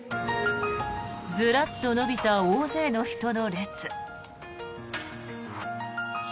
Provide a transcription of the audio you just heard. ずらっと延びた大勢の人の列。